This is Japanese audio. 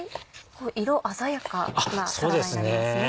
色鮮やかなサラダになりますね。